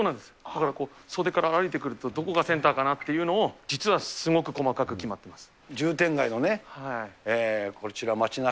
だからこう袖から歩いてくると、どこがセンターかなっていうのを、実はすごく細かく決まってます。